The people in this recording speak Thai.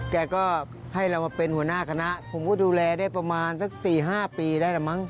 แกก็ให้เรามาเป็นหัวหน้าคณะผมก็ดูแลได้ประมาณสัก๔๕ปีได้แล้วมั้ง